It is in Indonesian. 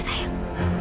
sampai jumpa lagi